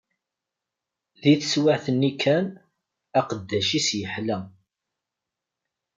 Di teswiɛt-nni kan, aqeddac-is iḥla.